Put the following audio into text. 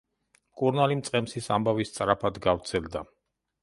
მკურნალი მწყემსის ამბავი სწრაფად გავრცელდა.